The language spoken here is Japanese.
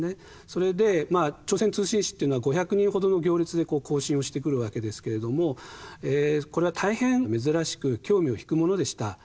それで朝鮮通信使っていうのは５００人ほどの行列で行進をしてくるわけですけれどもこれは大変珍しく興味を引くものでした。